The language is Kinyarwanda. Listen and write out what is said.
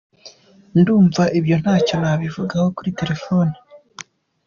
Ndumva ibyo ntacyo nabivugaho kuri telephone”.